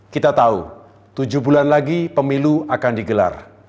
kita tahu tujuh bulan lagi pemilu akan digelar